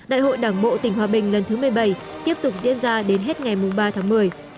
đại hội đảng bộ tỉnh hòa bình lần thứ một mươi bảy tiếp tục diễn ra đến hết ngày ba tháng một mươi